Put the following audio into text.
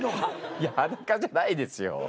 いや裸じゃないですよ。